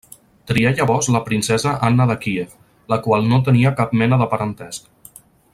Trià llavors la princesa Anna de Kíev, la qual no tenia cap mena de parentesc.